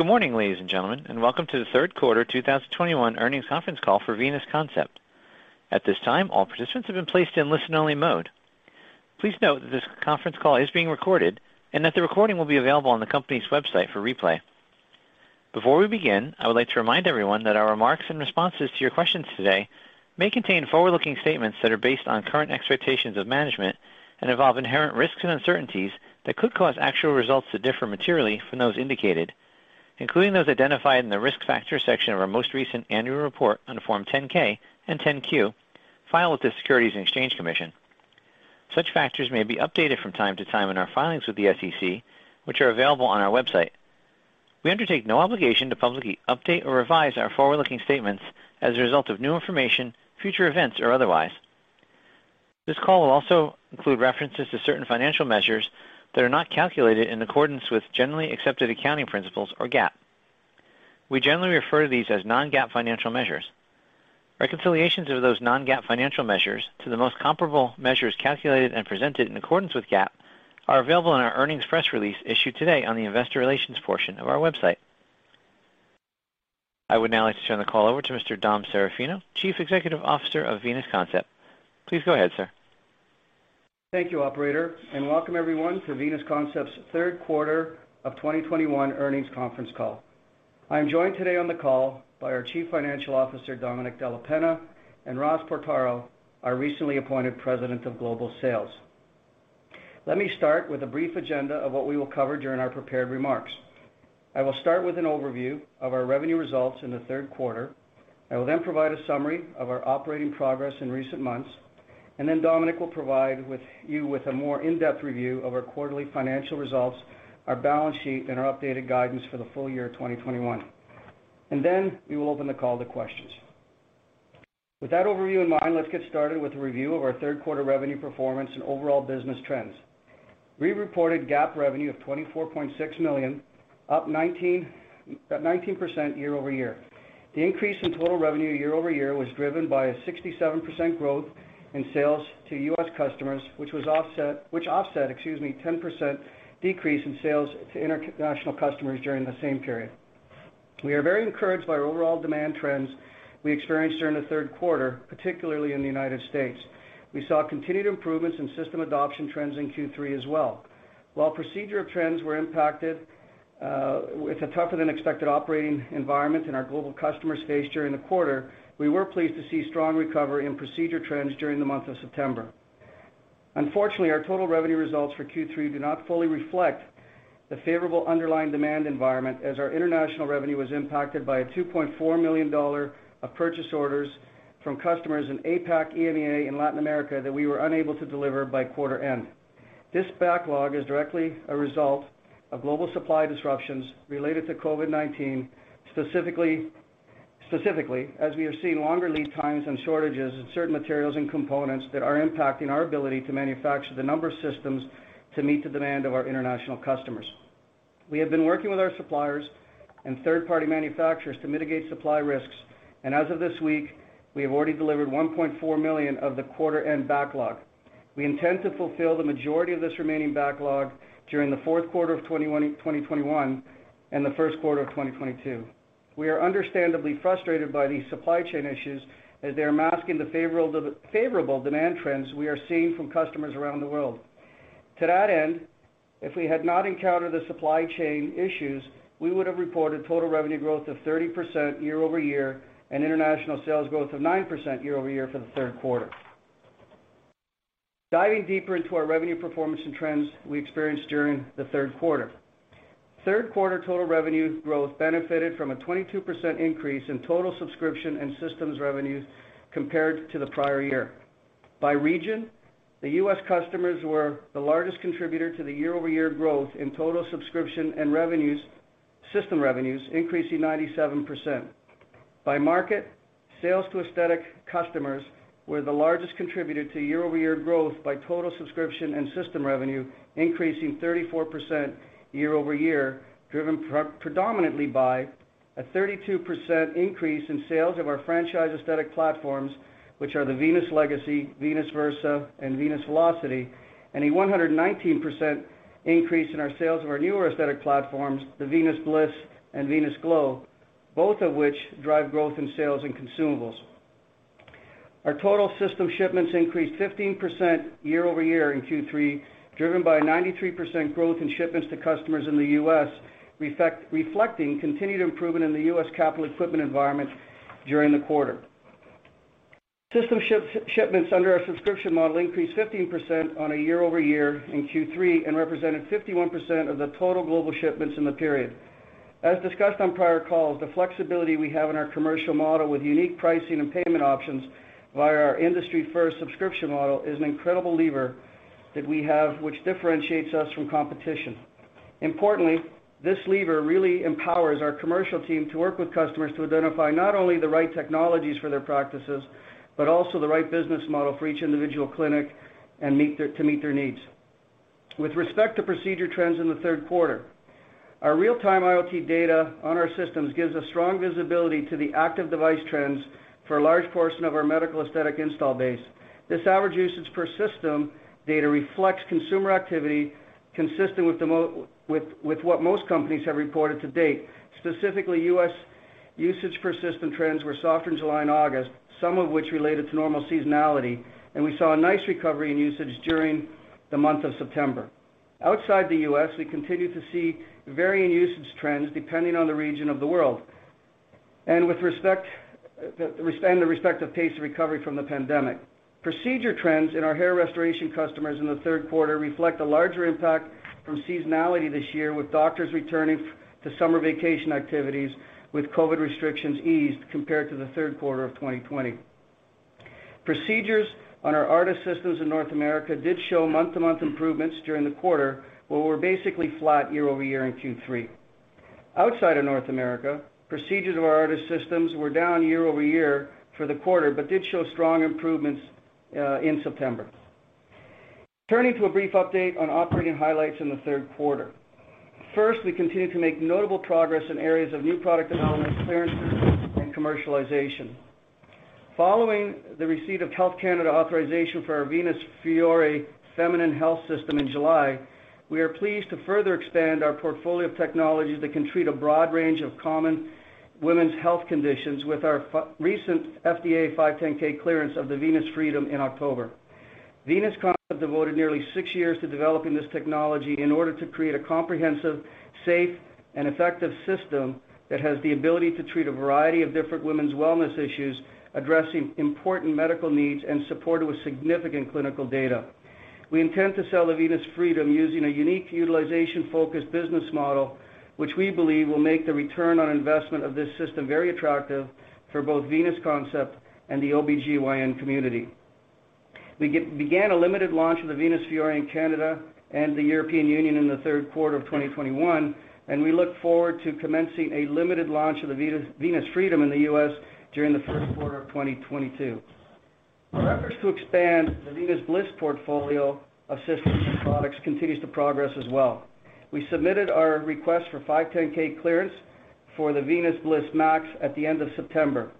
Good morning, ladies and gentlemen, and welcome to the third quarter 2021 earnings conference call for Venus Concept. At this time, all participants have been placed in listen-only mode. Please note that this conference call is being recorded and that the recording will be available on the company's website for replay. Before we begin, I would like to remind everyone that our remarks and responses to your questions today may contain forward-looking statements that are based on current expectations of management and involve inherent risks and uncertainties that could cause actual results to differ materially from those indicated, including those identified in the Risk Factors section of our most recent annual report on Form 10-K and 10-Q filed with the Securities and Exchange Commission. Such factors may be updated from time to time in our filings with the SEC, which are available on our website. We undertake no obligation to publicly update or revise our forward-looking statements as a result of new information, future events, or otherwise. This call will also include references to certain financial measures that are not calculated in accordance with Generally Accepted Accounting Principles or GAAP. We generally refer to these as non-GAAP financial measures. Reconciliations of those non-GAAP financial measures to the most comparable measures calculated and presented in accordance with GAAP are available in our earnings press release issued today on the investor relations portion of our website. I would now like to turn the call over to Mr. Dom Serafino, Chief Executive Officer of Venus Concept. Please go ahead, sir. Thank you, operator, and welcome everyone to Venus Concept's third quarter of 2021 earnings conference call. I'm joined today on the call by our Chief Financial Officer, Domenic Della Penna, and Ross Portaro, our recently appointed President of Global Sales. Let me start with a brief agenda of what we will cover during our prepared remarks. I will start with an overview of our revenue results in the third quarter. I will then provide a summary of our operating progress in recent months, and then Domenic will provide you with a more in-depth review of our quarterly financial results, our balance sheet, and our updated guidance for the full year of 2021. We will open the call to questions. With that overview in mind, let's get started with a review of our third quarter revenue performance and overall business trends. We reported GAAP revenue of $24.6 million, up 19% year-over-year. The increase in total revenue year-over-year was driven by a 67% growth in sales to U.S. customers, which offset, excuse me, 10% decrease in sales to international customers during the same period. We are very encouraged by our overall demand trends we experienced during the third quarter, particularly in the United States. We saw continued improvements in system adoption trends in Q3 as well. While procedure trends were impacted with a tougher than expected operating environment in our global customer space during the quarter, we were pleased to see strong recovery in procedure trends during the month of September. Unfortunately, our total revenue results for Q3 do not fully reflect the favorable underlying demand environment as our international revenue was impacted by a $2.4 million of purchase orders from customers in APAC, EMEA, and Latin America that we were unable to deliver by quarter end. This backlog is directly a result of global supply disruptions related to COVID-19. Specifically as we are seeing longer lead times and shortages in certain materials and components that are impacting our ability to manufacture the number of systems to meet the demand of our international customers. We have been working with our suppliers and third-party manufacturers to mitigate supply risks, and as of this week, we have already delivered $1.4 million of the quarter end backlog. We intend to fulfill the majority of this remaining backlog during the fourth quarter of 2021 and the first quarter of 2022. We are understandably frustrated by these supply chain issues as they are masking the favorable demand trends we are seeing from customers around the world. To that end, if we had not encountered the supply chain issues, we would have reported total revenue growth of 30% year-over-year and international sales growth of 9% year-over-year for the third quarter. Diving deeper into our revenue performance and trends we experienced during the third quarter. Third quarter total revenue growth benefited from a 22% increase in total subscription and system revenues compared to the prior year. By region, the U.S. customers were the largest contributor to the year-over-year growth in total subscription and system revenues, increasing 97%. By market, sales to aesthetic customers were the largest contributor to year-over-year growth by total subscription and system revenue, increasing 34% year-over-year, driven predominantly by a 32% increase in sales of our franchise aesthetic platforms, which are the Venus Legacy, Venus Versa, and Venus Velocity, and a 119% increase in our sales of our newer aesthetic platforms, the Venus Bliss and Venus Glow, both of which drive growth in sales and consumables. Our total system shipments increased 15% year-over-year in Q3, driven by 93% growth in shipments to customers in the U.S., reflecting continued improvement in the U.S. capital equipment environment during the quarter. System shipments under our subscription model increased 15% on a year-over-year in Q3 and represented 51% of the total global shipments in the period. As discussed on prior calls, the flexibility we have in our commercial model with unique pricing and payment options via our industry-first subscription model is an incredible lever that we have which differentiates us from competition. Importantly, this lever really empowers our commercial team to work with customers to identify not only the right technologies for their practices, but also the right business model for each individual clinic to meet their needs. With respect to procedure trends in the third quarter, our real-time IoT data on our systems gives us strong visibility to the active device trends for a large portion of our medical aesthetic install base. This average usage per system data reflects consumer activity consistent with what most companies have reported to date. Specifically, U.S. usage per system trends were softer in July and August, some of which related to normal seasonality, and we saw a nice recovery in usage during the month of September. Outside the U.S., we continue to see varying usage trends depending on the region of the world with respect to the respective pace of recovery from the pandemic. Procedure trends in our hair restoration customers in the third quarter reflect a larger impact from seasonality this year, with doctors returning to summer vacation activities with COVID restrictions eased compared to the third quarter of 2020. Procedures on our ARTAS systems in North America did show month-to-month improvements during the quarter, but were basically flat year-over-year in Q3. Outside of North America, procedures of our ARTAS systems were down year-over-year for the quarter, but did show strong improvements in September. Turning to a brief update on operating highlights in the third quarter. First, we continue to make notable progress in areas of new product development, clearance, and commercialization. Following the receipt of Health Canada authorization for our Venus Fiore feminine health system in July, we are pleased to further expand our portfolio of technologies that can treat a broad range of common women's health conditions with our fairly recent FDA 510(k) clearance of the Venus Freedom in October. Venus Concept devoted nearly six years to developing this technology in order to create a comprehensive, safe, and effective system that has the ability to treat a variety of different women's wellness issues, addressing important medical needs and supported with significant clinical data. We intend to sell the Venus Freedom using a unique utilization-focused business model, which we believe will make the return on investment of this system very attractive for both Venus Concept and the OB/GYN community. We began a limited launch of the Venus Fiore in Canada and the European Union in the third quarter of 2021, and we look forward to commencing a limited launch of the Venus Freedom in the U.S. during the first quarter of 2022. Our efforts to expand the Venus Bliss portfolio of systems and products continues to progress as well. We submitted our request for 510(k) clearance for the Venus Bliss MAX at the end of September.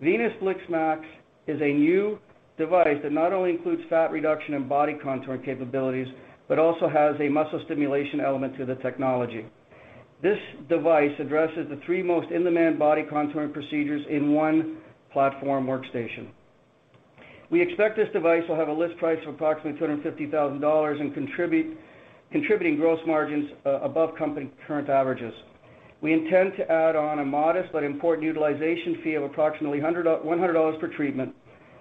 Venus Bliss MAX is a new device that not only includes fat reduction and body contouring capabilities, but also has a muscle stimulation element to the technology. This device addresses the three most in-demand body contouring procedures in one platform workstation. We expect this device will have a list price of approximately $250,000 and contribute gross margins above company current averages. We intend to add on a modest but important utilization fee of approximately $100 per treatment.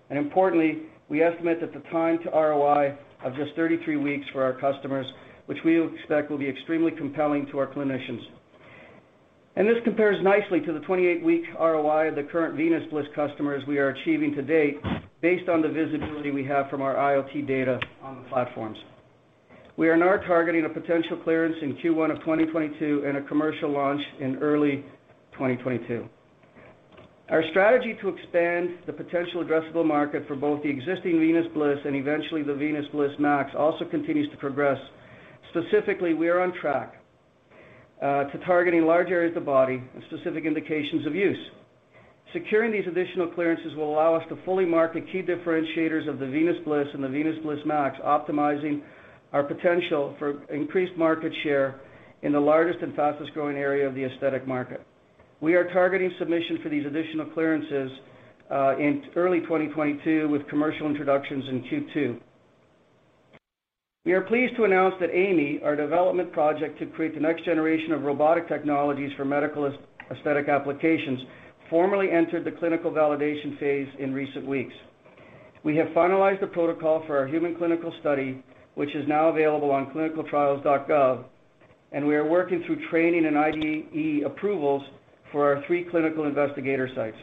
Importantly, we estimate that the time to ROI of just 33 weeks for our customers, which we expect will be extremely compelling to our clinicians. This compares nicely to the 28-week ROI of the current Venus Bliss customers we are achieving to date based on the visibility we have from our IoT data on the platforms. We are now targeting a potential clearance in Q1 of 2022 and a commercial launch in early 2022. Our strategy to expand the potential addressable market for both the existing Venus Bliss and eventually the Venus Bliss MAX also continues to progress. Specifically, we are on track to targeting large areas of the body and specific indications of use. Securing these additional clearances will allow us to fully market key differentiators of the Venus Bliss and the Venus Bliss MAX, optimizing our potential for increased market share in the largest and fastest-growing area of the aesthetic market. We are targeting submission for these additional clearances in early 2022 with commercial introductions in Q2. We are pleased to announce that AI.ME, our development project to create the next generation of robotic technologies for medical aesthetic applications, formally entered the clinical validation phase in recent weeks. We have finalized the protocol for our human clinical study, which is now available on ClinicalTrials.gov, and we are working through training and IDE approvals for our three clinical investigator sites.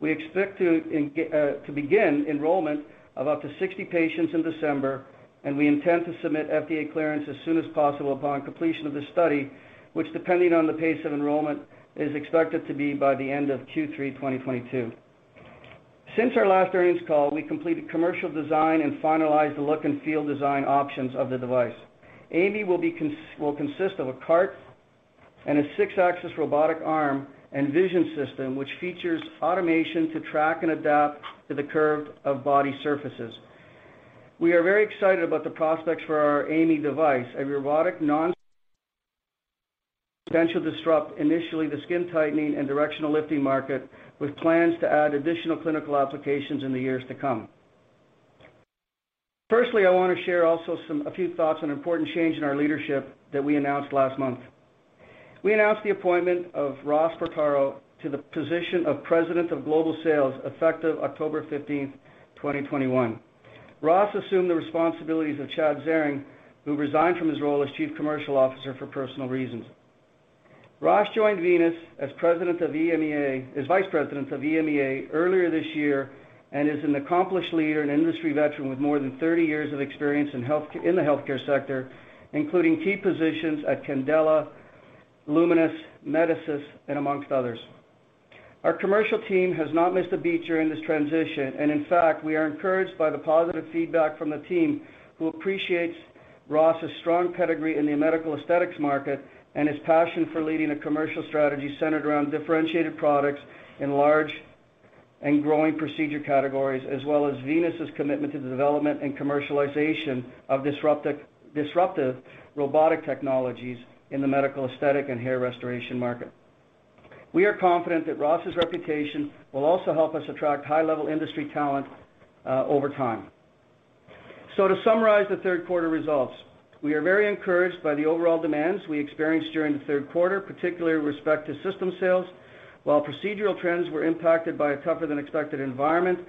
We expect to begin enrollment of up to 60 patients in December, and we intend to submit FDA clearance as soon as possible upon completion of this study, which, depending on the pace of enrollment, is expected to be by the end of Q3 2022. Since our last earnings call, we completed commercial design and finalized the look and feel design options of the device. AI.ME will consist of a cart and a six-axis robotic arm and vision system, which features automation to track and adapt to the curve of body surfaces. We are very excited about the prospects for our AI.ME device, a robotic potential to disrupt initially the skin tightening and directional lifting market, with plans to add additional clinical applications in the years to come. Firstly, I want to share a few thoughts on an important change in our leadership that we announced last month. We announced the appointment of Ross Portaro to the position of President of Global Sales effective October 15th, 2021. Ross assumed the responsibilities of Chad Zaring, who resigned from his role as Chief Commercial Officer for personal reasons. Ross joined Venus as Vice President of EMEA earlier this year and is an accomplished leader and industry veteran with more than 30 years of experience in the healthcare sector, including key positions at Candela, Lumenis, Medicis, and among others. Our commercial team has not missed a beat during this transition, and in fact, we are encouraged by the positive feedback from the team, who appreciates Ross' strong pedigree in the medical aesthetics market and his passion for leading a commercial strategy centered around differentiated products in large and growing procedure categories, as well as Venus' commitment to the development and commercialization of disruptive robotic technologies in the medical, aesthetic, and hair restoration market. We are confident that Ross' reputation will also help us attract high-level industry talent over time. To summarize the third quarter results, we are very encouraged by the overall demand we experienced during the third quarter, particularly with respect to system sales. While procedural trends were impacted by a tougher than expected environment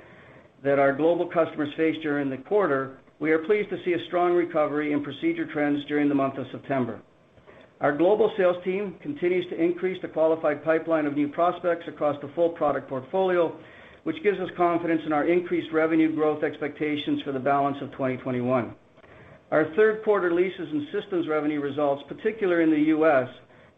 that our global customers faced during the quarter, we are pleased to see a strong recovery in procedure trends during the month of September. Our global sales team continues to increase the qualified pipeline of new prospects across the full product portfolio, which gives us confidence in our increased revenue growth expectations for the balance of 2021. Our third quarter leases and systems revenue results, particularly in the U.S.,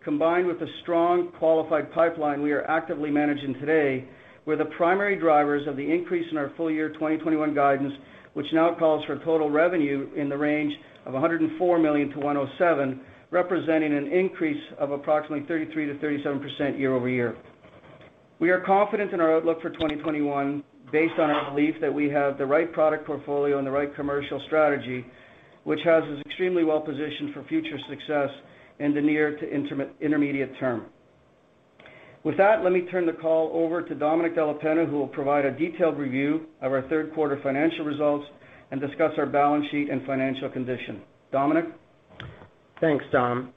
combined with the strong qualified pipeline we are actively managing today, were the primary drivers of the increase in our full-year 2021 guidance, which now calls for total revenue in the range of $104 million-$107 million, representing an increase of approximately 33%-37% year-over-year. We are confident in our outlook for 2021 based on our belief that we have the right product portfolio and the right commercial strategy, which has us extremely well-positioned for future success in the near to intermediate term. With that, let me turn the call over to Domenic Della Penna, who will provide a detailed review of our third quarter financial results and discuss our balance sheet and financial condition. Domenic? Thanks, Dom.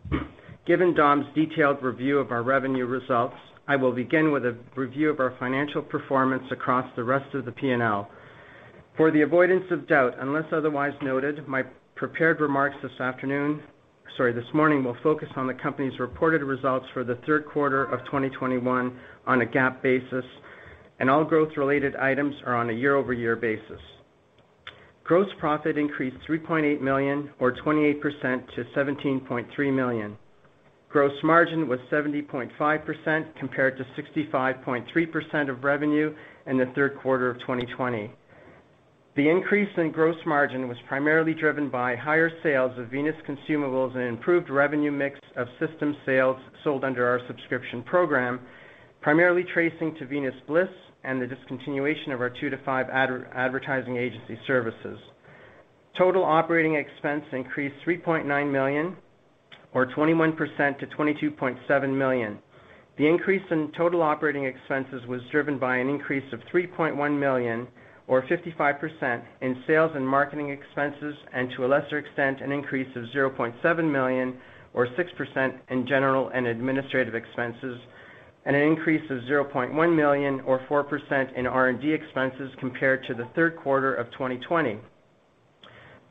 Given Dom's detailed review of our revenue results, I will begin with a review of our financial performance across the rest of the P&L. For the avoidance of doubt, unless otherwise noted, my prepared remarks this afternoon, sorry, this morning, will focus on the company's reported results for the third quarter of 2021 on a GAAP basis, and all growth-related items are on a year-over-year basis. Gross profit increased $3.8 million or 28% to $17.3 million. Gross margin was 70.5% compared to 65.3% of revenue in the third quarter of 2020. The increase in gross margin was primarily driven by higher sales of Venus consumables and improved revenue mix of system sales sold under our subscription program, primarily traceable to Venus Bliss and the discontinuation of our two to five advertising agency services. Total operating expense increased $3.9 million or 21% to $22.7 million. The increase in total operating expenses was driven by an increase of $3.1 million or 55% in sales and marketing expenses, and to a lesser extent, an increase of $0.7 million or 6% in general and administrative expenses, and an increase of $0.1 million or 4% in R&D expenses compared to the third quarter of 2020.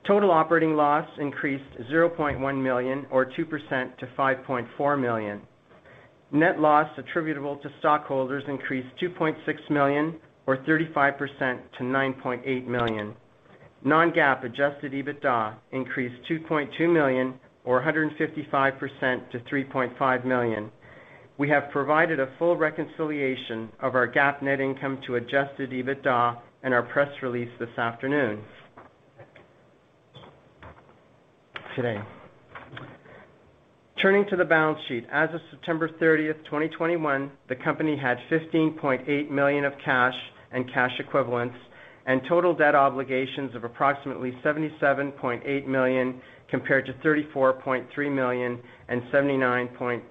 Total operating loss increased $0.1 million or 2% to $5.4 million. Net loss attributable to stockholders increased $2.6 million or 35% to $9.8 million. Non-GAAP adjusted EBITDA increased $2.2 million or 155% to $3.5 million. We have provided a full reconciliation of our GAAP net income to adjusted EBITDA in our press release this afternoon today. Turning to the balance sheet. As of September 30, 2021, the company had $15.8 million of cash and cash equivalents, and total debt obligations of approximately $77.8 million compared to $34.3 million and $79.6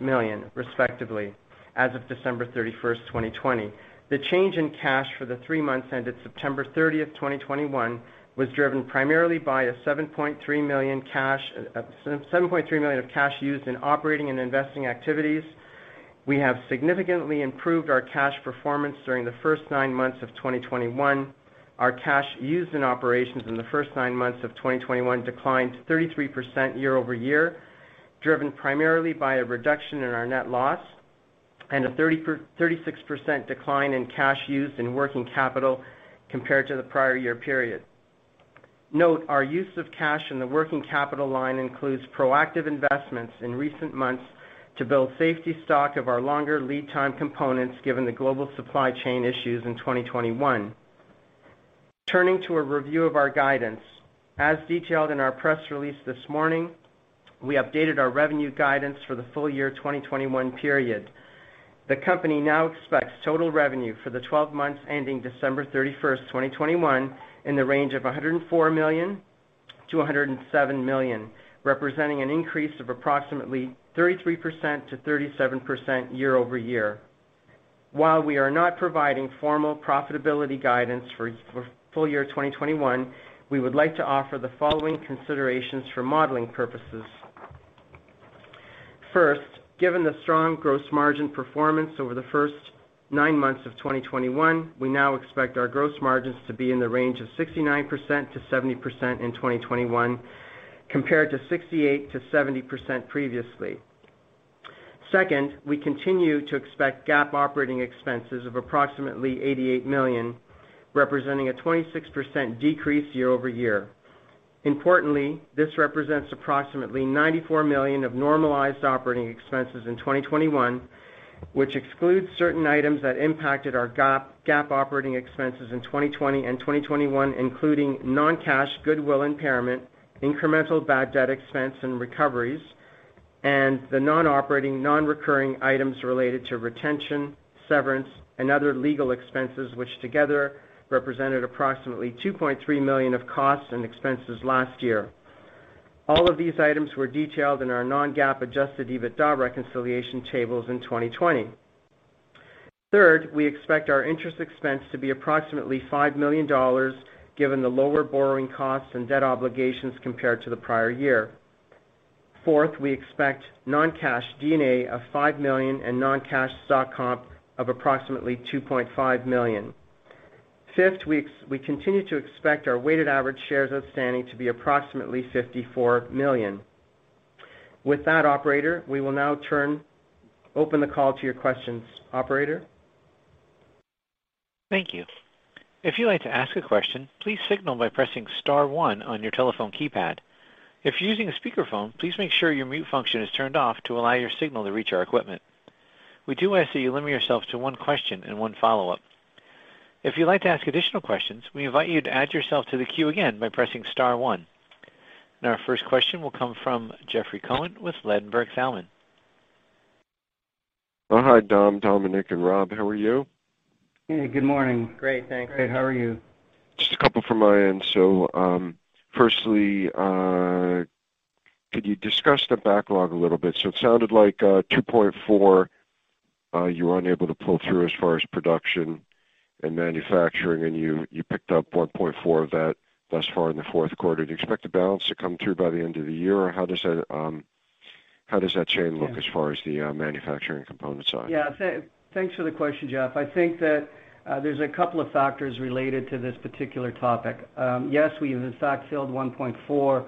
million, respectively, as of December 31, 2020. The change in cash for the three months ended September 30, 2021, was driven primarily by $7.3 million of cash used in operating and investing activities. We have significantly improved our cash performance during the first nine months of 2021. Our cash used in operations in the first nine months of 2021 declined 33% year-over-year, driven primarily by a reduction in our net loss and a 36% decline in cash used in working capital compared to the prior year period. Note, our use of cash in the working capital line includes proactive investments in recent months to build safety stock of our longer lead time components given the global supply chain issues in 2021. Turning to a review of our guidance. As detailed in our press release this morning, we updated our revenue guidance for the full year 2021 period. The company now expects total revenue for the 12 months ending December 31, 2021, in the range of $104 million-$107 million, representing an increase of approximately 33%-37% year-over-year. While we are not providing formal profitability guidance for full year 2021, we would like to offer the following considerations for modeling purposes. First, given the strong gross margin performance over the first nine months of 2021, we now expect our gross margins to be in the range of 69%-70% in 2021, compared to 68%-70% previously. Second, we continue to expect GAAP operating expenses of approximately $88 million, representing a 26% decrease year-over-year. Importantly, this represents approximately $94 million of normalized operating expenses in 2021 Which excludes certain items that impacted our GAAP operating expenses in 2020 and 2021, including non-cash goodwill impairment, incremental bad debt expense and recoveries, and the non-operating non-recurring items related to retention, severance and other legal expenses, which together represented approximately $2.3 million of costs and expenses last year. All of these items were detailed in our non-GAAP adjusted EBITDA reconciliation tables in 2020. Third, we expect our interest expense to be approximately $5 million given the lower borrowing costs and debt obligations compared to the prior year. Fourth, we expect non-cash D&A of $5 million and non-cash stock comp of approximately $2.5 million. Fifth, we continue to expect our weighted average shares outstanding to be approximately 54 million. With that, operator, we will now open the call to your questions. Operator? Thank you. If you'd like to ask a question, please signal by pressing star one on your telephone keypad. If you're using a speakerphone, please make sure your mute function is turned off to allow your signal to reach our equipment. We do ask that you limit yourself to one question and one follow-up. If you'd like to ask additional questions, we invite you to add yourself to the queue again by pressing star one. Our first question will come from Jeffrey Cohen with Ladenburg Thalmann. Oh, hi, Dom, Domenic, and Ross. How are you? Yeah, good morning. How are you? Great. Thanks. Just a couple from my end. Firstly, could you discuss the backlog a little bit? It sounded like $2.4 million you were unable to pull through as far as production and manufacturing, and you picked up $1.4 million of that thus far in the fourth quarter. Do you expect the balance to come through by the end of the year? Or how does that supply chain look as far as the manufacturing component side? Yeah. Thanks for the question, Jeff. I think that there's a couple of factors related to this particular topic. Yes, we've in fact filled $1.4 million.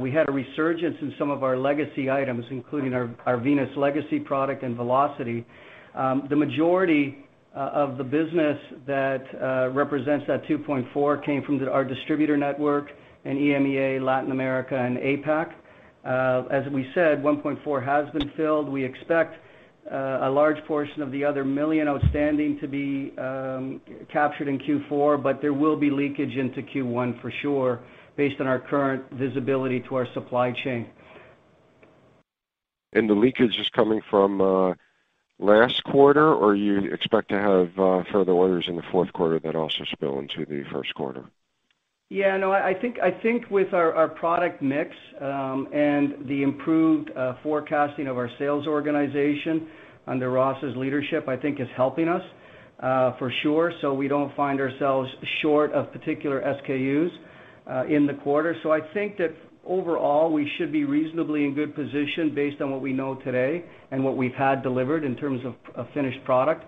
We had a resurgence in some of our legacy items, including our Venus Legacy product and Velocity. The majority of the business that represents that $2.4 million came from our distributor network in EMEA, Latin America, and APAC. As we said, $1.4 million has been filled. We expect a large portion of the other $1 million outstanding to be captured in Q4, but there will be leakage into Q1 for sure, based on our current visibility to our supply chain. The leakage is coming from last quarter, or you expect to have further orders in the fourth quarter that also spill into the first quarter? Yeah, no, I think with our product mix and the improved forecasting of our sales organization under Ross' leadership, I think is helping us for sure. We don't find ourselves short of particular SKUs in the quarter. I think that overall, we should be reasonably in good position based on what we know today and what we've had delivered in terms of finished product.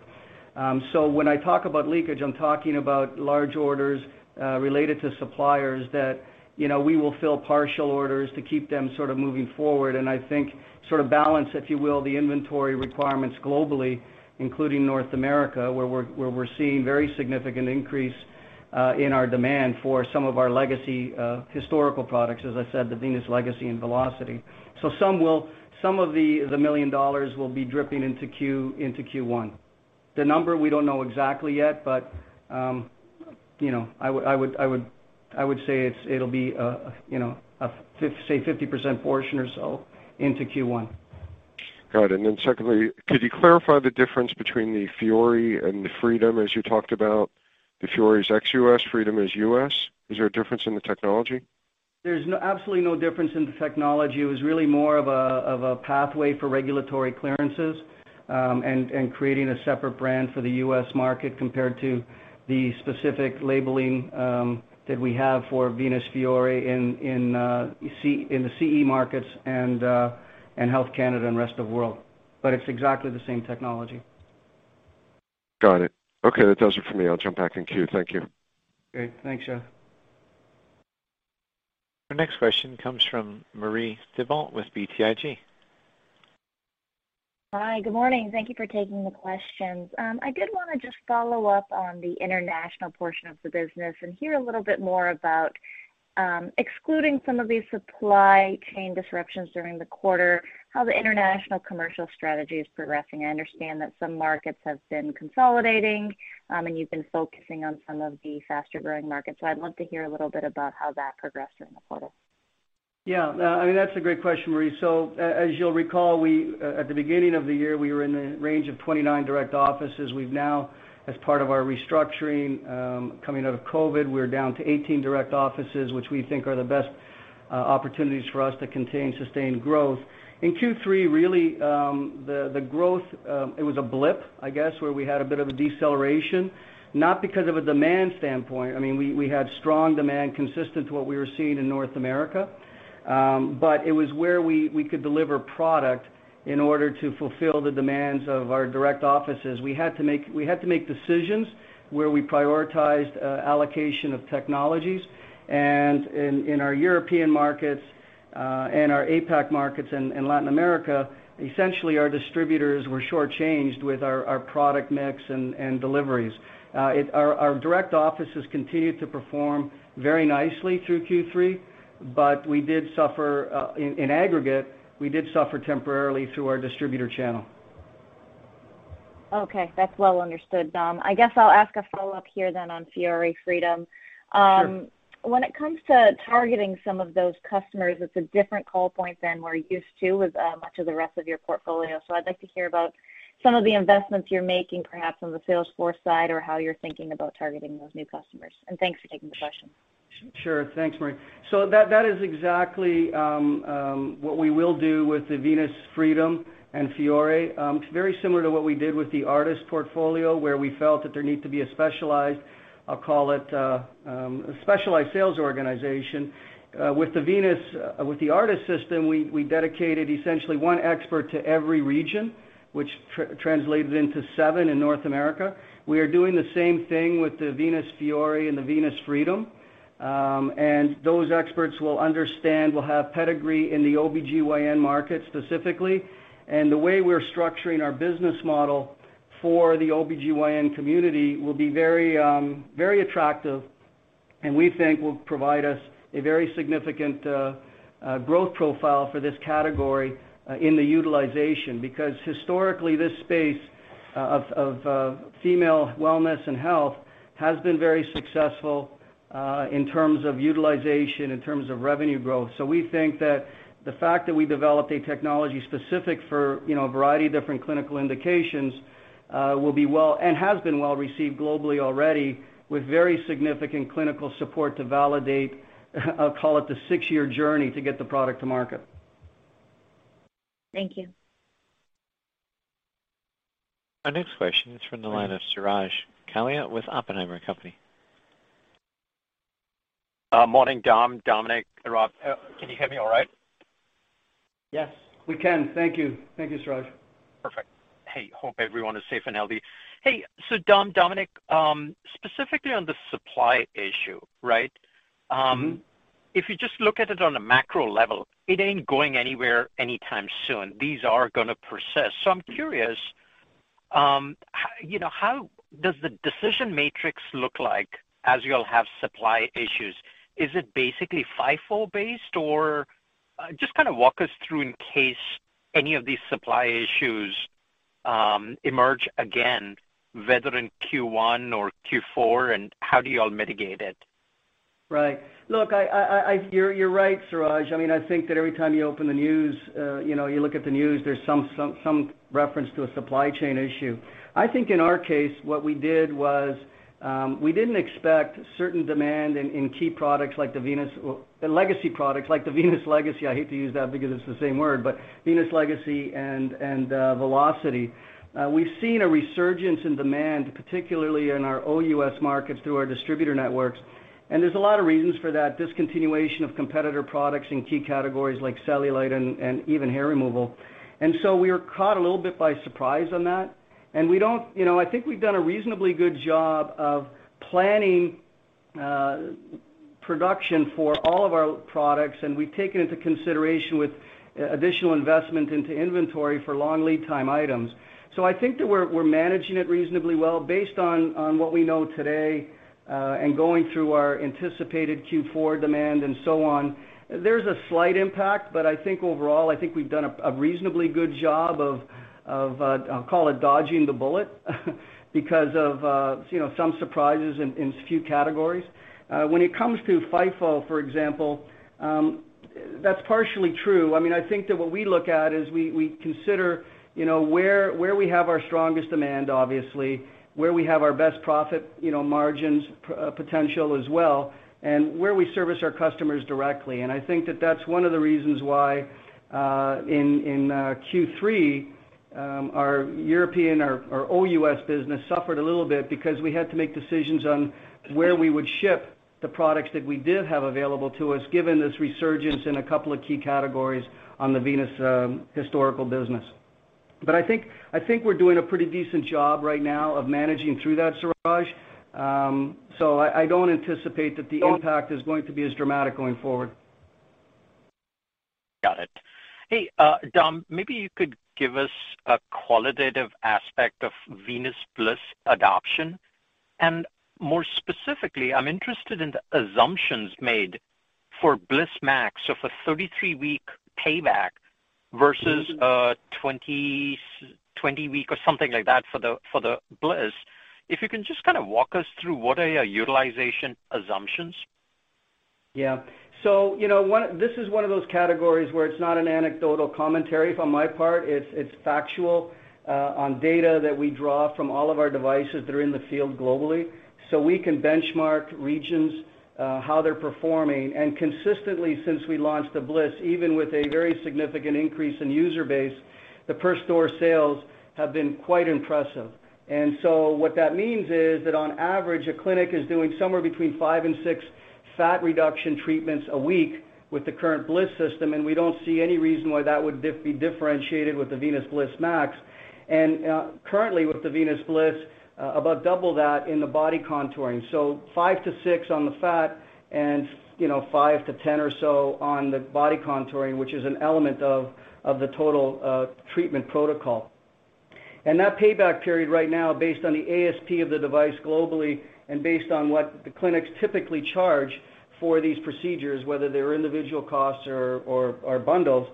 When I talk about leakage, I'm talking about large orders related to suppliers that you know we will fill partial orders to keep them sort of moving forward. I think sort of balance, if you will, the inventory requirements globally, including North America, where we're seeing very significant increase in our demand for some of our legacy historical products, as I said, the Venus Legacy and Velocity. Some of the $1 million will be dripping into Q1. The number we don't know exactly yet, but you know, I would say it'll be 50% portion or so into Q1. Got it. Secondly, could you clarify the difference between the Fiore and the Freedom, as you talked about? The Fiore is ex-U.S., Freedom is U.S. Is there a difference in the technology? There's absolutely no difference in the technology. It was really more of a pathway for regulatory clearances and creating a separate brand for the U.S. market compared to the specific labeling that we have for Venus Fiore in the CE markets and Health Canada and rest of world. It's exactly the same technology. Got it. Okay, that does it for me. I'll jump back in queue. Thank you. Great. Thanks, Jeff. Our next question comes from Marie Thibault with BTIG. Hi, good morning. Thank you for taking the questions. I did wanna just follow up on the international portion of the business and hear a little bit more about, excluding some of the supply chain disruptions during the quarter, how the international commercial strategy is progressing. I understand that some markets have been consolidating, and you've been focusing on some of the faster-growing markets. I'd love to hear a little bit about how that progressed during the quarter. Yeah, no, I mean, that's a great question, Marie. So as you'll recall, we at the beginning of the year, we were in the range of 29 direct offices. We've now, as part of our restructuring, coming out of COVID, we're down to 18 direct offices, which we think are the best opportunities for us to contain sustained growth. In Q3, really, the growth it was a blip, I guess, where we had a bit of a deceleration, not because of a demand standpoint. I mean, we had strong demand consistent with what we were seeing in North America. But it was where we could deliver product in order to fulfill the demands of our direct offices. We had to make decisions where we prioritized allocation of technologies. In our European markets and our APAC markets in Latin America, essentially, our distributors were short-changed with our product mix and deliveries. Our direct offices continued to perform very nicely through Q3, but we did suffer in aggregate temporarily through our distributor channel. Okay. That's well understood, Dom. I guess I'll ask a follow-up here then on Fiore, Freedom. Sure. When it comes to targeting some of those customers, it's a different call point than we're used to with much of the rest of your portfolio. I'd like to hear about some of the investments you're making, perhaps on the sales floor side or how you're thinking about targeting those new customers. Thanks for taking the question. Sure. Thanks, Marie. That is exactly what we will do with the Venus Freedom and Fiore. It's very similar to what we did with the ARTAS portfolio, where we felt that there need to be a specialized, I'll call it a specialized sales organization. With the ARTAS system, we dedicated essentially one expert to every region, which translated into seven in North America. We are doing the same thing with the Venus Fiore and the Venus Freedom. Those experts will understand, will have pedigree in the OB/GYN market specifically. The way we're structuring our business model for the OB/GYN community will be very attractive, and we think will provide us a very significant growth profile for this category in the utilization. Because historically, this space of female wellness and health has been very successful in terms of utilization, in terms of revenue growth. We think that the fact that we developed a technology specific for, you know, a variety of different clinical indications will be well, and has been well-received globally already, with very significant clinical support to validate, I'll call it the six-year journey to get the product to market. Thank you. Our next question is from the line of Suraj Kalia with Oppenheimer & Company. Morning, Dom, Domenic, Rob. Can you hear me all right? Yes, we can. Thank you. Thank you, Suraj. Perfect. Hey, hope everyone is safe and healthy. Hey, Dom, Domenic, specifically on the supply issue, right? If you just look at it on a macro level, it ain't going anywhere anytime soon. These are gonna persist. I'm curious, you know, how does the decision matrix look like as y'all have supply issues? Is it basically FIFO-based or just kinda walk us through in case any of these supply issues emerge again, whether in Q1 or Q4, and how do y'all mitigate it? Right. Look, you're right, Suraj. I mean, I think that every time you open the news, you know, you look at the news, there's some reference to a supply chain issue. I think in our case, what we did was, we didn't expect certain demand in key products like the Venus Legacy. I hate to use that because it's the same word, but Venus Legacy and Velocity. We've seen a resurgence in demand, particularly in our OUS markets, through our distributor networks. There's a lot of reasons for that discontinuation of competitor products in key categories like cellulite and even hair removal. We were caught a little bit by surprise on that. We don't You know, I think we've done a reasonably good job of planning production for all of our products, and we've taken into consideration with additional investment into inventory for long lead time items. I think that we're managing it reasonably well based on what we know today, and going through our anticipated Q4 demand and so on. There's a slight impact, but I think overall, I think we've done a reasonably good job of, I'll call it dodging the bullet, because of, you know, some surprises in a few categories. When it comes to FIFO, for example, that's partially true. I mean, I think that what we look at is we consider, you know, where we have our strongest demand, obviously, where we have our best profit, you know, margins potential as well, and where we service our customers directly. I think that that's one of the reasons why in Q3 our European OUS business suffered a little bit because we had to make decisions on where we would ship the products that we did have available to us, given this resurgence in a couple of key categories on the Venus historical business. I think we're doing a pretty decent job right now of managing through that, Suraj. I don't anticipate that the impact is going to be as dramatic going forward. Got it. Hey, Dom, maybe you could give us a qualitative aspect of Venus Bliss adoption. More specifically, I'm interested in the assumptions made for Bliss MAX of a 33-week payback versus 20-week or something like that for the Bliss. If you can just kinda walk us through what are your utilization assumptions? This is one of those categories where it's not an anecdotal commentary from my part. It's factual on data that we draw from all of our devices that are in the field globally. We can benchmark regions how they're performing. Consistently since we launched the Bliss, even with a very significant increase in user base, the per store sales have been quite impressive. What that means is that on average, a clinic is doing somewhere between five and six fat reduction treatments a week with the current Bliss system, and we don't see any reason why that would be differentiated with the Venus Bliss MAX. Currently with the Venus Bliss, about double that in the body contouring. Five to six on the fat and, you know, five to 10 or so on the body contouring, which is an element of the total treatment protocol. That payback period right now, based on the ASP of the device globally and based on what the clinics typically charge for these procedures, whether they're individual costs or bundles,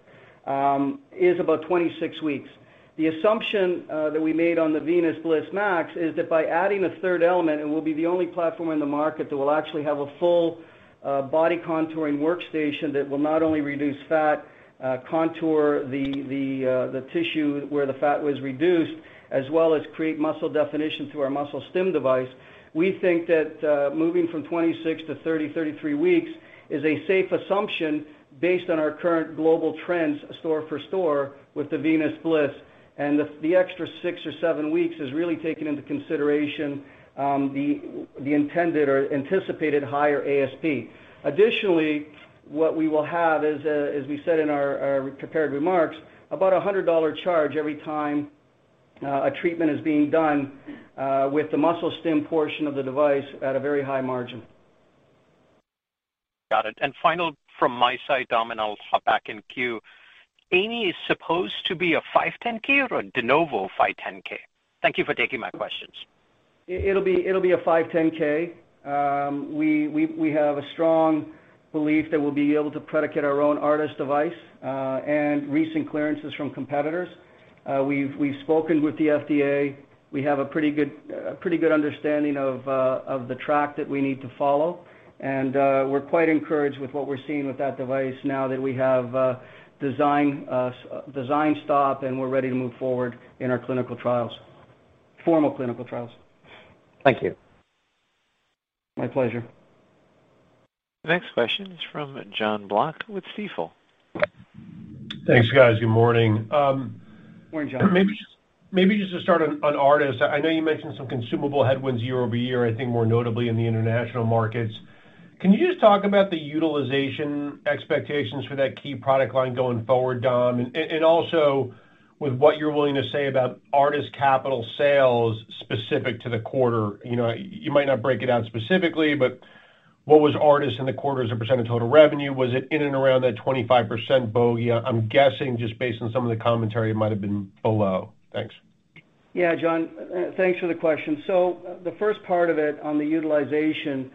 is about 26 weeks. The assumption that we made on the Venus Bliss MAX is that by adding a third element, it will be the only platform in the market that will actually have a full body contouring workstation that will not only reduce fat, contour the tissue where the fat was reduced, as well as create muscle definition through our muscle stim device. We think that moving from 26 to 30, 33 weeks is a safe assumption based on our current global trends store for store with the Venus Bliss. The extra six or seven weeks is really taking into consideration the intended or anticipated higher ASP. Additionally, what we will have is, as we said in our prepared remarks, about a $100 charge every time a treatment is being done with the muscle stim portion of the device at a very high margin. Got it. Final from my side, Dom, and I'll hop back in queue. AI.ME is supposed to be a 510(k) or a de novo 510(k)? Thank you for taking my questions. It'll be a 510(k). We have a strong belief that we'll be able to predicate our own ARTAS device and recent clearances from competitors. We've spoken with the FDA. We have a pretty good understanding of the track that we need to follow. We're quite encouraged with what we're seeing with that device now that we have design stop, and we're ready to move forward in our formal clinical trials. Thank you. My pleasure. Next question is from Jon Block with Stifel. Thanks, guys. Good morning. Good morning, Jon. Maybe just to start on ARTAS. I know you mentioned some consumable headwinds year-over-year, I think more notably in the international markets. Can you just talk about the utilization expectations for that key product line going forward, Dom? Also with what you're willing to say about ARTAS capital sales specific to the quarter. You know, you might not break it out specifically, but what was ARTAS in the quarter as a percent of total revenue? Was it in and around that 25% bogey? I'm guessing, just based on some of the commentary, it might have been below. Thanks. Yeah, Jon, thanks for the question. The first part of it on the utilization,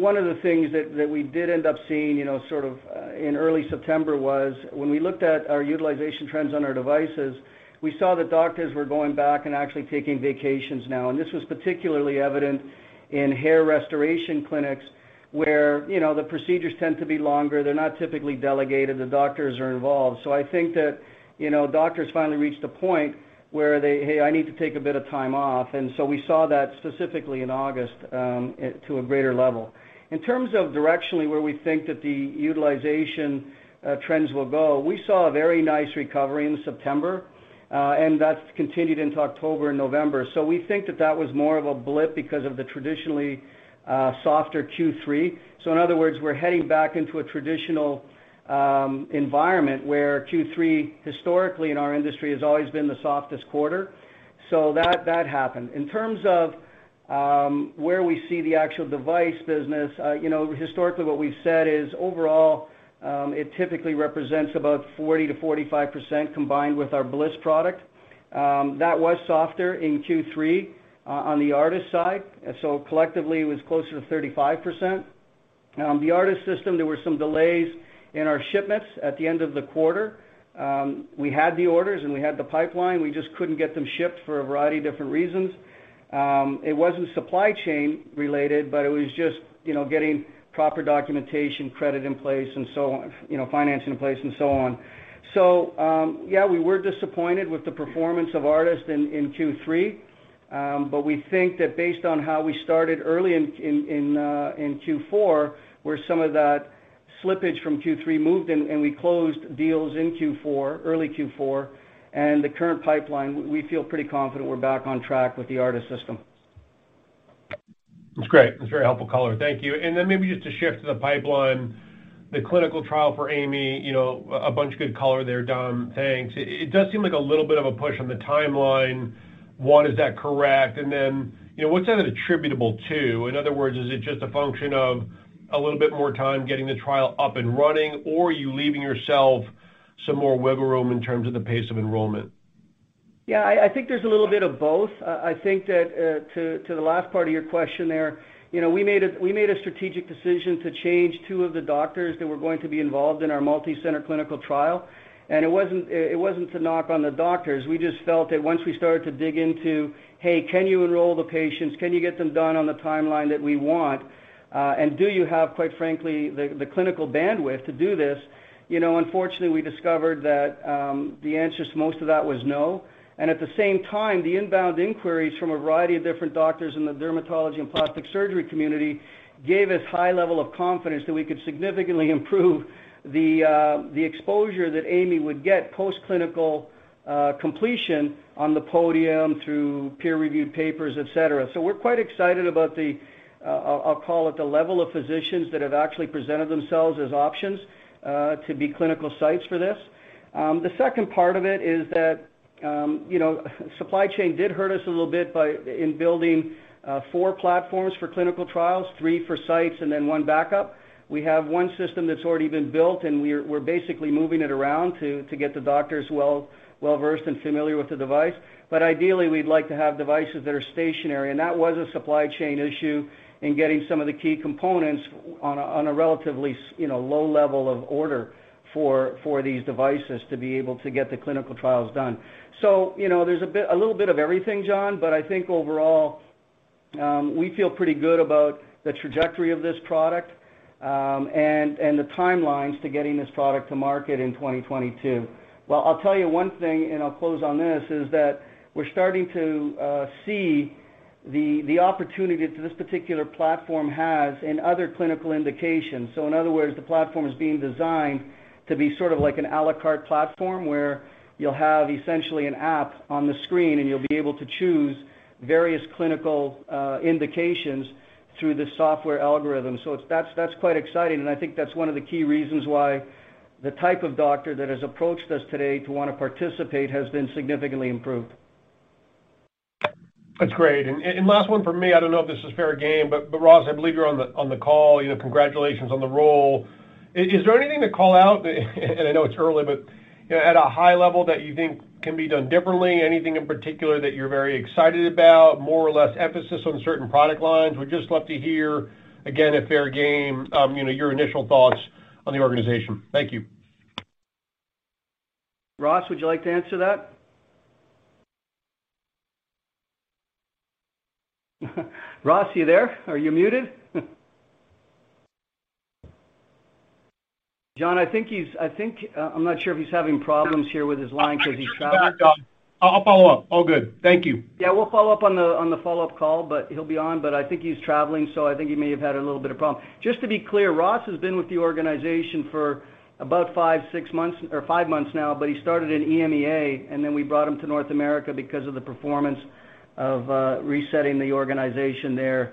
one of the things that we did end up seeing, you know, sort of in early September was when we looked at our utilization trends on our devices, we saw that doctors were going back and actually taking vacations now. This was particularly evident in hair restoration clinics, where, you know, the procedures tend to be longer. They're not typically delegated. The doctors are involved. I think that, you know, doctors finally reached a point where they, "Hey, I need to take a bit of time off." We saw that specifically in August to a greater level. In terms of directionally where we think that the utilization trends will go, we saw a very nice recovery in September, and that's continued into October and November. We think that was more of a blip because of the traditionally softer Q3. In other words, we're heading back into a traditional environment where Q3 historically in our industry has always been the softest quarter. That happened. In terms of where we see the actual device business, you know, historically what we've said is overall it typically represents about 40%-45% combined with our Bliss product. That was softer in Q3 on the ARTAS side, and so collectively, it was closer to 35%. The ARTAS system, there were some delays in our shipments at the end of the quarter. We had the orders and we had the pipeline, we just couldn't get them shipped for a variety of different reasons. It wasn't supply chain related, but it was just, you know, getting proper documentation credit in place and so on. You know, financing in place and so on. Yeah, we were disappointed with the performance of ARTAS in Q3. We think that based on how we started early in Q4, where some of that slippage from Q3 moved and we closed deals in Q4, early Q4, and the current pipeline, we feel pretty confident we're back on track with the ARTAS system. That's great. That's a very helpful color. Thank you. Maybe just to shift to the pipeline, the clinical trial for AI.ME, you know, a bunch of good color there, Dom. Thanks. It does seem like a little bit of a push on the timeline. One, is that correct? You know, what's that attributable to? In other words, is it just a function of a little bit more time getting the trial up and running, or are you leaving yourself some more wiggle room in terms of the pace of enrollment? Yeah, I think there's a little bit of both. I think that to the last part of your question there, you know, we made a strategic decision to change two of the doctors that were going to be involved in our multi-center clinical trial. It wasn't to knock on the doctors. We just felt that once we started to dig into, "Hey, can you enroll the patients? Can you get them done on the timeline that we want? And do you have, quite frankly, the clinical bandwidth to do this?" You know, unfortunately, we discovered that the answers to most of that was no. At the same time, the inbound inquiries from a variety of different doctors in the dermatology and plastic surgery community gave us high level of confidence that we could significantly improve the exposure that AI.ME would get post-clinical completion on the podium through peer-reviewed papers, etc. We're quite excited about the, I'll call it the level of physicians that have actually presented themselves as options to be clinical sites for this. The second part of it is that, you know, supply chain did hurt us a little bit by building four platforms for clinical trials, three for sites, and then one backup. We have one system that's already been built, and we're basically moving it around to get the doctors well-versed and familiar with the device. Ideally, we'd like to have devices that are stationary, and that was a supply chain issue in getting some of the key components on a relatively low level of order for these devices to be able to get the clinical trials done. There's a bit, a little bit of everything, Jon, but I think overall we feel pretty good about the trajectory of this product, and the timelines to getting this product to market in 2022. Well, I'll tell you one thing, and I'll close on this, is that we're starting to see the opportunity that this particular platform has in other clinical indications. In other words, the platform is being designed to be sort of like an à la carte platform, where you'll have essentially an app on the screen, and you'll be able to choose various clinical indications through the software algorithm. That's quite exciting, and I think that's one of the key reasons why the type of doctor that has approached us today to wanna participate has been significantly improved. That's great. Last one for me, I don't know if this is fair game, but Ross, I believe you're on the call. You know, congratulations on the role. Is there anything to call out, and I know it's early, but you know, at a high level that you think can be done differently? Anything in particular that you're very excited about, more or less emphasis on certain product lines? We'd just love to hear, again, if fair game, you know, your initial thoughts on the organization. Thank you. Ross, would you like to answer that? Ross, you there? Are you muted? Jon, I think, I'm not sure if he's having problems here with his line 'cause he's traveling. I'll follow up. All good. Thank you. Yeah, we'll follow up on the follow-up call, but he'll be on. I think he's traveling, so I think he may have had a little bit of problem. Just to be clear, Ross has been with the organization for about five, six months, or five months now, but he started in EMEA, and then we brought him to North America because of the performance of resetting the organization there.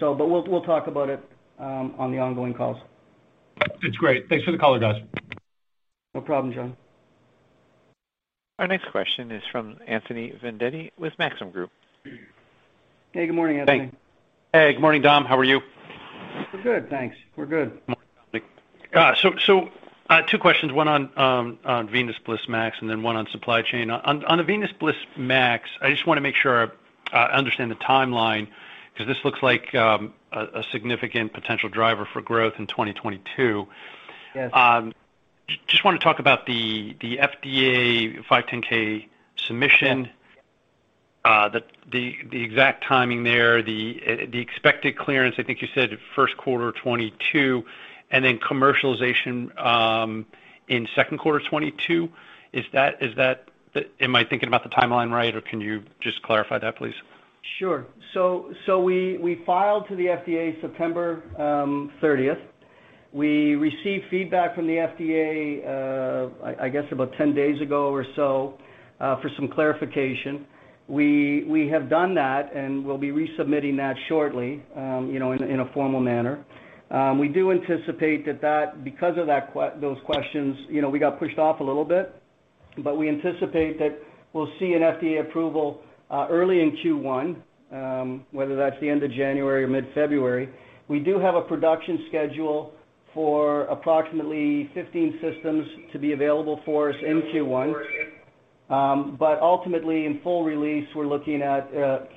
We'll talk about it on the ongoing calls. That's great. Thanks for the color, guys. No problem, Jon. Our next question is from Anthony Vendetti with Maxim Group. Hey, good morning, Anthony. Hey. Good morning, Dom. How are you? We're good, thanks. We're good. Two questions, one on Venus Bliss MAX, and then one on supply chain. On the Venus Bliss MAX, I just wanna make sure I understand the timeline 'cause this looks like a significant potential driver for growth in 2022. Just wanna talk about the FDA 510(k) submission. The exact timing there, the expected clearance, I think you said first quarter 2022, and then commercialization in second quarter 2022. Am I thinking about the timeline right, or can you just clarify that, please? Sure. We filed to the FDA September 30th. We received feedback from the FDA, I guess about 10 days ago or so, for some clarification. We have done that, and we'll be resubmitting that shortly, you know, in a formal manner. We do anticipate that because of that those questions, you know, we got pushed off a little bit. We anticipate that we'll see an FDA approval early in Q1, whether that's the end of January or mid-February. We do have a production schedule for approximately 15 systems to be available for us in Q1. Ultimately, in full release, we're looking at,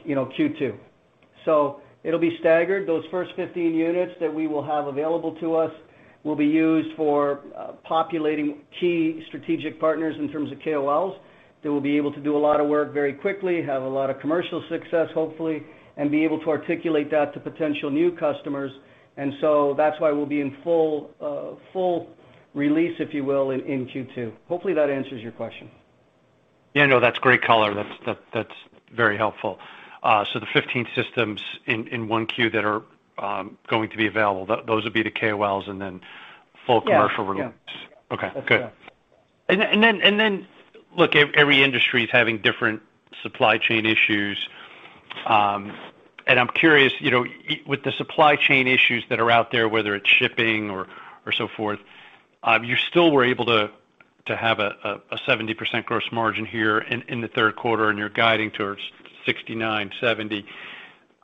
you know, Q2. It'll be staggered. Those first 15 units that we will have available to us will be used for populating key strategic partners in terms of KOLs that will be able to do a lot of work very quickly, have a lot of commercial success, hopefully, and be able to articulate that to potential new customers. That's why we'll be in full release, if you will, in Q2. Hopefully, that answers your question. Yeah, no, that's great color. That's very helpful. The 15 systems in 1Q that are going to be available, those would be the KOLs and then full commercial release. Yes. Yeah. Okay, good. That's correct. Look, every industry is having different supply chain issues. I'm curious, you know, with the supply chain issues that are out there, whether it's shipping or so forth, you still were able to have a 70% gross margin here in the third quarter, and you're guiding towards 69%,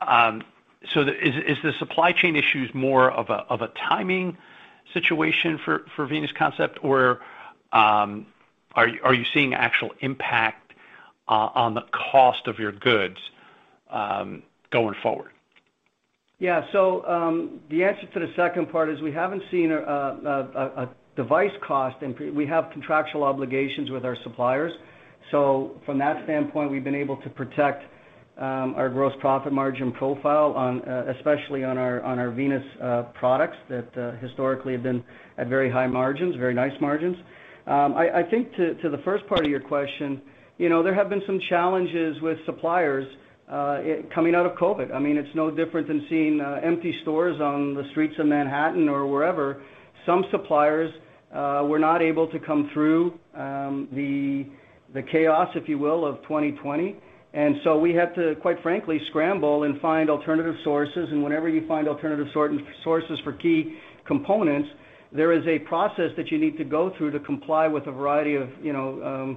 70%. Is the supply chain issues more of a timing situation for Venus Concept, or are you seeing actual impact on the cost of your goods going forward? Yeah. The answer to the second part is we haven't seen a device cost increase. We have contractual obligations with our suppliers. From that standpoint, we've been able to protect our gross profit margin profile on, especially on our Venus products that historically have been at very high margins, very nice margins. I think to the first part of your question, you know, there have been some challenges with suppliers coming out of COVID. I mean, it's no different than seeing empty stores on the streets of Manhattan or wherever. Some suppliers were not able to come through the chaos, if you will, of 2020. We had to, quite frankly, scramble and find alternative sources. Whenever you find alternative sources for key components, there is a process that you need to go through to comply with a variety of, you know,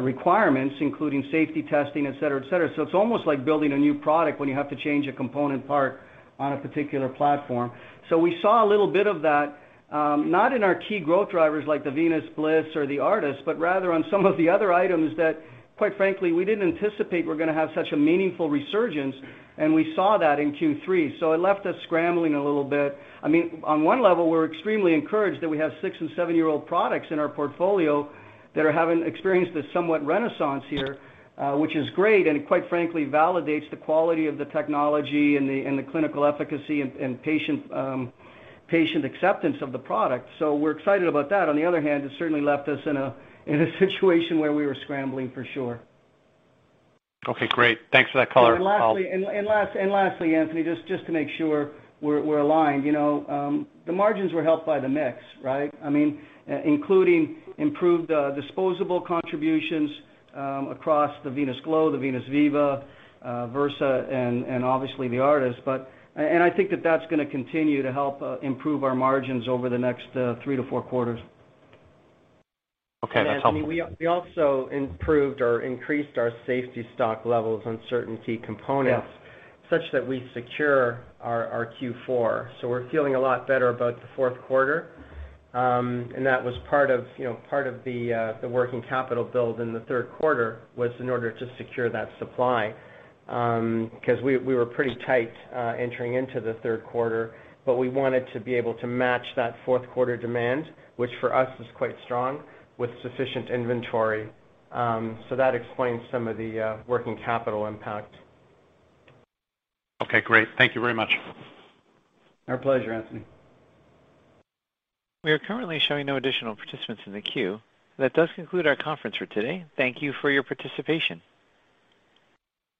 requirements, including safety testing, et cetera, et cetera. It's almost like building a new product when you have to change a component part on a particular platform. We saw a little bit of that, not in our key growth drivers like the Venus Bliss or the ARTAS, but rather on some of the other items that, quite frankly, we didn't anticipate were gonna have such a meaningful resurgence, and we saw that in Q3. It left us scrambling a little bit. I mean, on one level, we're extremely encouraged that we have six and seven-year-old products in our portfolio that are having experienced a somewhat renaissance here, which is great, and it quite frankly validates the quality of the technology and the clinical efficacy and patient acceptance of the product. We're excited about that. On the other hand, it certainly left us in a situation where we were scrambling for sure. Okay, great. Thanks for that color. Lastly, Anthony, just to make sure we're aligned. You know, the margins were helped by the mix, right? I mean, including improved disposable contributions across the Venus Glow, the Venus Viva, Versa, and obviously the ARTAS. I think that that's gonna continue to help improve our margins over the next three to four quarters. Okay. That's helpful. Anthony, we also improved or increased our safety stock levels on certain key components such that we secure our Q4. We're feeling a lot better about the fourth quarter. That was part of, you know, the working capital build in the third quarter was in order to secure that supply, 'cause we were pretty tight entering into the third quarter. We wanted to be able to match that fourth quarter demand, which for us is quite strong, with sufficient inventory. That explains some of the working capital impact. Okay, great. Thank you very much. Our pleasure, Anthony. We are currently showing no additional participants in the queue. That does conclude our conference for today. Thank you for your participation.